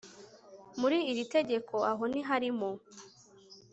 muri iri tegeko aho ntiharimo